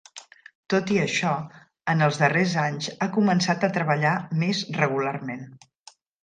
Tot i això, en els darrers anys ha començat a treballar més regularment.